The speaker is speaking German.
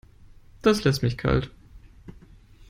Das lässt mich kalt.